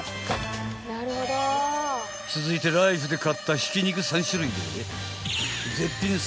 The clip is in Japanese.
［続いてライフで買ったひき肉３種類で］